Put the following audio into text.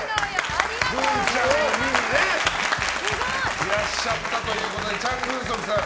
グンちゃんを見にいらっしゃったということでチャン・グンソクさん